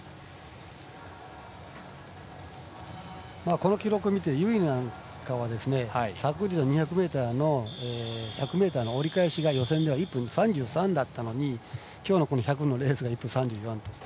この記録を見て由井なんかは昨日の２００ｍの１００ｍの折り返しが予選では１分３３だったのにきょうの１００のレースが１分３４と。